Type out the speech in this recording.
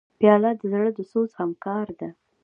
پیاله د زړه د سوز همکار ده.